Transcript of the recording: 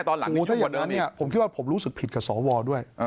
อย่างนั้นผมคิดว่าผมรู้สึกผิดกับสอวร์ด้วย